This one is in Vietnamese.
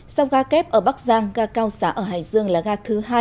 sau ga kép ở bắc giang ga cao xá ở hải dương là ga thứ hai